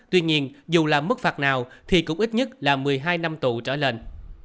tuy nhiên dù là mức phạt nào thì cũng ít nhất là một mươi hai năm tù trở lên